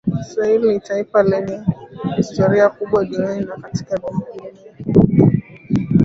Israel ni taifa lenye historia kubwa duniani na katika biblia